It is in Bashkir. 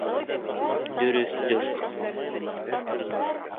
Дөрөҫтөр.